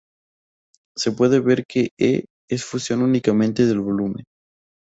Se puede ver que "E" es función únicamente del volumen.